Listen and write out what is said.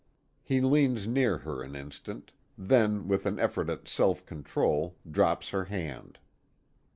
He leans near her an instant; then, with an effort at self control, drops her hand.